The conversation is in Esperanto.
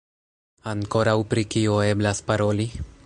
Ankoraŭ pri kio eblas paroli?